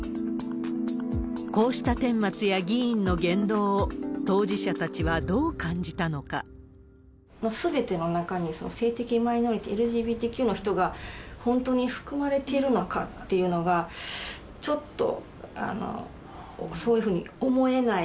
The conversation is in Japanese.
こうしたてんまつや、議員の言動を、当事者たちはどう感じたすべての中に、性的マイノリティ・ＬＧＢＴＱの人が本当に含まれているのかっていうのが、ちょっとそういうふうに思えない。